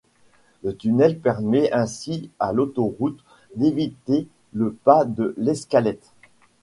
Le tunnel permet ainsi à l'autoroute d'éviter le Pas de l'Escalette.